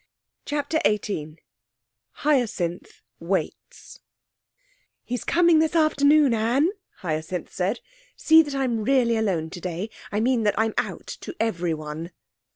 CHAPTER XVIII Hyacinth Waits 'He's coming this afternoon, Anne,' Hyacinth said. 'See that I'm really alone today I mean that I'm out to everyone.'